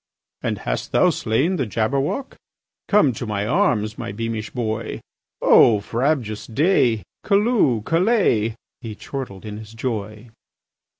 "And hast thou slain the Jabberwock? Come to my arms, my beamish boy! O frabjous day! Callooh! Callay!" He chortled in his joy.